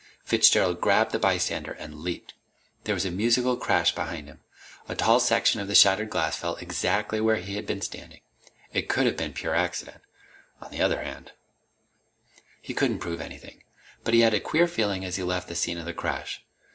Fitzgerald grabbed the bystander and leaped. There was a musical crash behind him. A tall section of the shattered glass fell exactly where he had been standing. It could have been pure accident. On the other hand He couldn't prove anything, but he had a queer feeling as he left the scene of the crash.